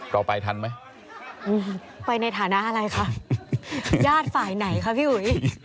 เราไปทันไหมไปในฐานะอะไรคะญาติฝ่ายไหนคะพี่อุ๋ย